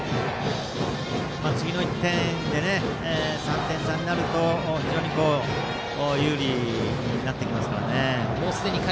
次の１点で、３点差になると非常に有利になってきますから。